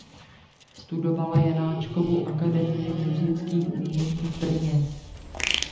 Studovala Janáčkovu akademii múzických umění v Brně.